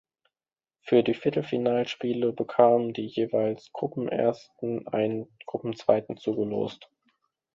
Für die Viertelfinalspiele bekamen die jeweils Gruppenersten einen Gruppenzweiten zugelost.